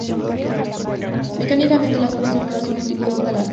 Mecánicamente las ondas sonoras son un tipo de onda elástica.